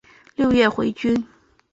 六月回军。